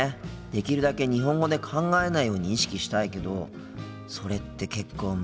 できるだけ日本語で考えないように意識したいけどそれって結構難しいよな。